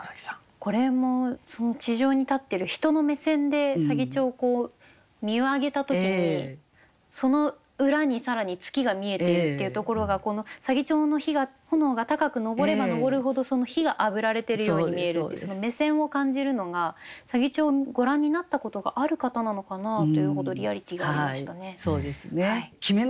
これも地上に立ってる人の目線で左義長を見上げた時にその裏に更に月が見えているっていうところがこの左義長の火が炎が高く上れば上るほどその火があぶられてるように見えるっていう目線を感じるのが左義長をご覧になったことがある方なのかなというほどリアリティーがありましたね。